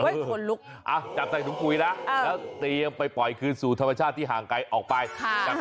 คนลุกจับใส่ถุงปุ๋ยแล้วแล้วเตรียมไปปล่อยคืนสู่ธรรมชาติที่ห่างไกลออกไป